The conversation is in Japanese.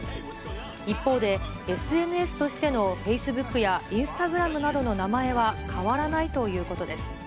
一方で、ＳＮＳとしてのフェイスブックやインスタグラムなどの名前は変わらないということです。